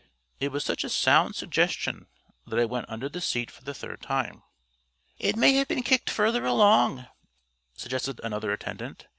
It was such a sound suggestion that I went under the seat for the third time. "It may have been kicked further along," suggested another attendant.